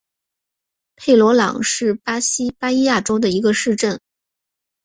佩德朗是巴西巴伊亚州的一个市镇。